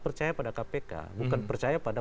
percaya pada kpk bukan percaya pada